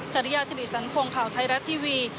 จริยาสิริสันพงศ์ข่าวไทยรัฐทีวี